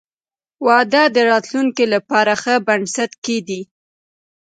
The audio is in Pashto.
• واده د راتلونکي لپاره ښه بنسټ ږدي.